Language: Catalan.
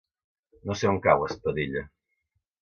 No sé on cau Espadella.